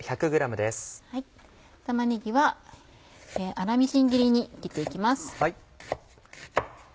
玉ねぎは粗みじん切りに切って行きます。